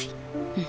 うん。